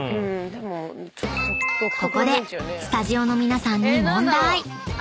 ［ここでスタジオの皆さんに問題］